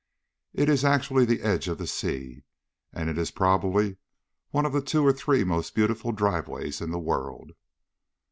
It is actually the edge of the sea, and it is probably one of the two or three most beautiful driveways in the world.